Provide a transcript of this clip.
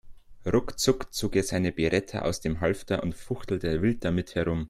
Ruckzuck zog er seine Beretta aus dem Halfter und fuchtelte wild damit herum.